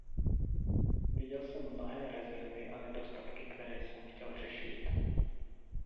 Viděl jsem mnohé rezervy a nedostatky, které jsem chtěl řešit.